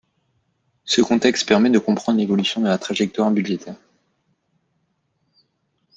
Ce contexte permet de comprendre l’évolution de la trajectoire budgétaire.